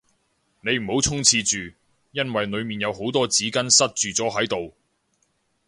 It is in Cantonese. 你唔好衝廁住，因為裏面有好多紙巾塞住咗喺度